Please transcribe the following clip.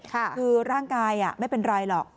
คือร่างกายไม่เป็นไรหรอก